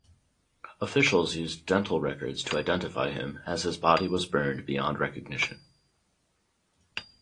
Officials used dental records to identify him, as his body was burned beyond recognition.